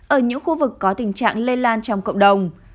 ở những khu vực có tình trạng lây lan trong cộng đồng